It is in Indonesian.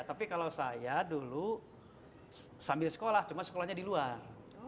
tapi kalau saya dulu sambil sekolah cuma sekolahnya di luar